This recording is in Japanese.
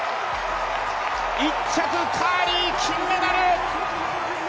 １着カーリー、金メダル！